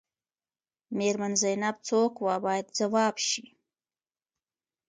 میرمن زینب څوک وه باید ځواب شي.